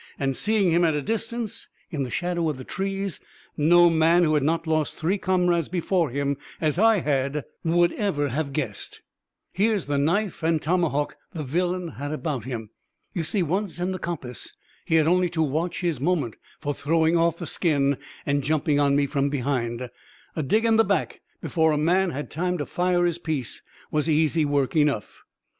And seeing him at a distance, in the shadow of the trees, no man who had not lost three comrades before him, as I had, would ever have guessed. Here's the knife and tomahawk the villain had about him. You see, once in the coppice he had only to watch his moment for throwing off the skin and jumping on me from behind; a dig in the back before a man had time to fire his piece was easy work enough.